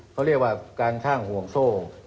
เขาเรียกว่าการข้างห่วงโซ่